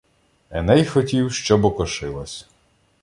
Еней хотів, щоб окошилась